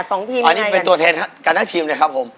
สองทีมยังไงกันอันนี้เป็นตัวเทศกันทั้งทีมเลยครับผม